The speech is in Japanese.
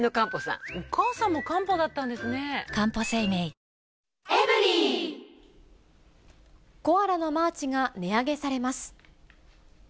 １抗菌コアラのマーチが値上げされます。